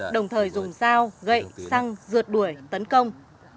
đồng thời dùng dao gậy xăng rượt đuổi tấn công